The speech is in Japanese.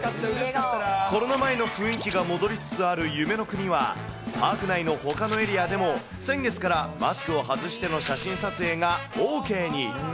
コロナ前の雰囲気が戻りつつある夢の国は、パーク内のほかのエリアでも、先月からマスクを外しての写真撮影がＯＫに。